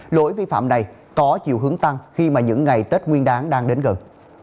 lỗi vi phạm này có chiều hướng tăng khi mà những ngày tết nguyên đáng đang đến gần